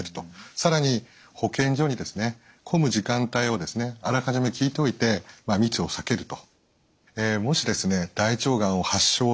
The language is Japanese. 更に保健所に混む時間帯をあらかじめ聞いておいて密を避けると。